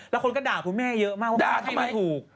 แล้วคนก็ด่าปุ๊กแม่เยอะมากว่าคนไทยพอถูก